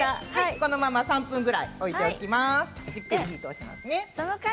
このまま３分ぐらい置いておきます。